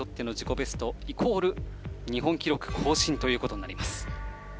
ベストイコール日本記録更新となります。